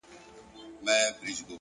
علم د انسان د شخصیت جوړوونکی دی.!